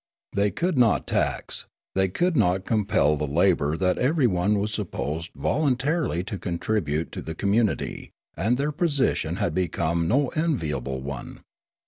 They could not tax, they could not compel the labour that ever3'one was supposed voluntarily to contribute to the commun ity ; and their position had become no enviable one.